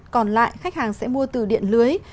còn lại khách hàng sẽ mua từ điện lưới